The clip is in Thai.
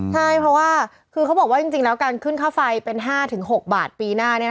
ใช่เพราะว่าคือเขาบอกว่าจริงแล้วการขึ้นค่าไฟเป็น๕๖บาทปีหน้า